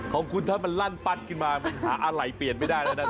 ของคุณถ้ามันลั่นปัดขึ้นมามันหาอะไรเปลี่ยนไม่ได้แล้วนะครับ